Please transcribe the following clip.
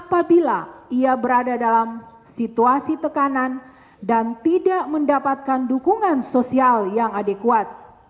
apabila ia berada dalam situasi tekanan dan tidak mendapatkan dukungan sosial yang adekuat